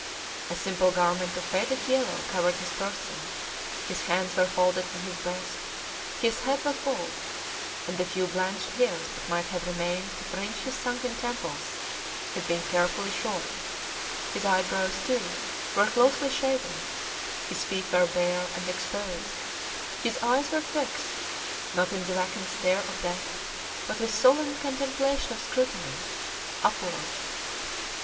A simple garment of faded yellow covered his person; his hands were folded on his breast; his head was bald, and the few blanched hairs that might have remained to fringe his sunken temples had been carefully shorn, his eyebrows, too, were closely shaven; his feet were bare and exposed; his eyes were fixed, not in the vacant stare of death, but with solemn contemplation or scrutiny, upward.